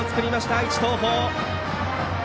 愛知の東邦。